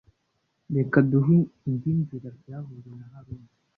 Reka duhe indi nzira byavuzwe na haruna